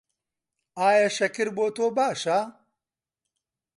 ئایا شەکر بۆ تۆ باشە؟